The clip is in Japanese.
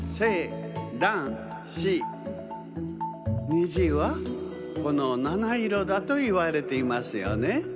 虹はこのなないろだといわれていますよね。